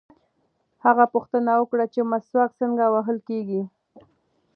هغه پوښتنه وکړه چې مسواک څنګه وهل کېږي.